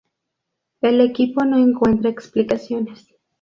El equipo no encuentra explicaciones.